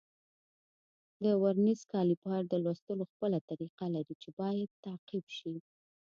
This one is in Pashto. د ورنیز کالیپر د لوستلو خپله طریقه لري چې باید تعقیب شي.